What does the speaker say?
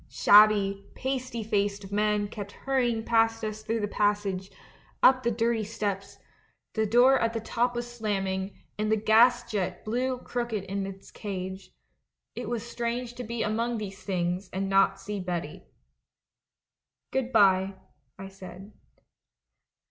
Shabby, pasty faced men kept hurrying past us through the passage, up the dir ty steps; the door at the top was slamming, and the gas jet blew crooked in its cage. It was strange to be among these things and not see Betty. " 'Good bye,' I said.